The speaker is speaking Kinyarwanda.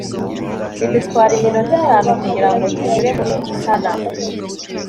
bidutwara iminota itanu kugirango tunyure muri tunnel